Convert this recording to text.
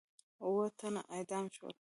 اووه تنه اعدام شول.